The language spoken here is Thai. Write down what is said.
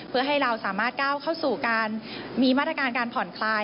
เพื่อให้เราสามารถก้าวเข้าสู่การมีมาตรการการผ่อนคลาย